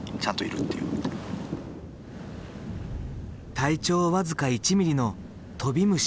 体長僅か１ｍｍのトビムシ。